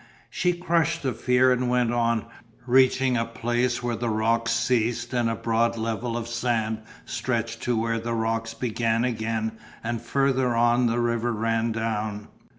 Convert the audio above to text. She crushed the fear and went on, reaching a place where the rocks ceased and a broad level of sand stretched to where the rocks began again and further on the river ran down.